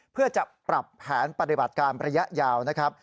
เพื่อจะปรับแผนปฏิบัติการระยะยาวนะครับ